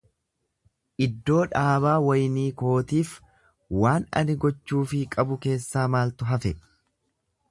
Iddoo dhaabaa waynii kootiif waan ani gochuufii qabu keessaa maaltu hafe?